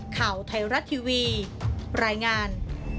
ข่าวไทยรัฐทีวีรายงาน